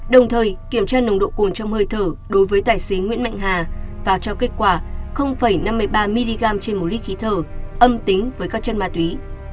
đồng thời kiểm tra nồng độ cồn trong hơi thở đối với tài xế nguyễn mạnh hà và cho kết quả năm mươi ba mg trên một lít khí thở âm tính với các chân ma túy